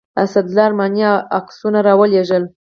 اسدالله ارماني عکسونه راولېږل.